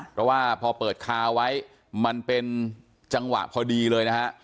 เพราะว่าพอเปิดคาไว้มันเป็นจังหวะพอดีเลยนะฮะ